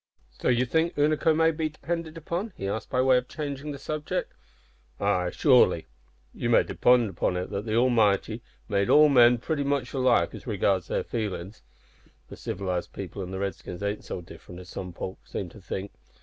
"So you think Unaco may be depended on?" he asked, by way of changing the subject. "Ay, surely. You may depend on it that the Almighty made all men pretty much alike as regards their feelin's. The civilised people an' the Redskins ain't so different as some folk seem to think.